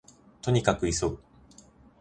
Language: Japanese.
兎に角急ぐ